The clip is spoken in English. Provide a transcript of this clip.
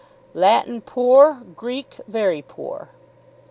"'Latin poor. Greek, very poor.